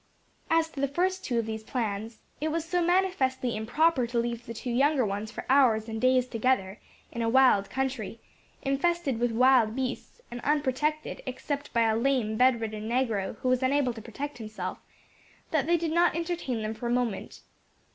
As to the first two of these plans, it was so manifestly improper to leave the two younger ones for hours and days together, in a wild country, infested with wild beasts, and unprotected, except by a lame, bedridden negro, who was unable to protect himself, that they did not entertain them for a moment.